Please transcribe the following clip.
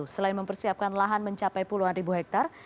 selain mempersiapkan lahan mencapai puluhan ribu hektare